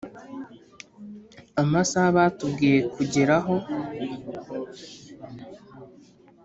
amasaha batubwiye kugereraho siyo twahagereye